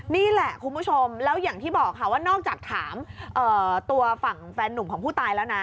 นี่แหละคุณผู้ชมแล้วอย่างที่บอกค่ะว่านอกจากถามตัวฝั่งแฟนหนุ่มของผู้ตายแล้วนะ